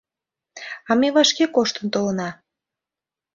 — А ме вашке коштын толына.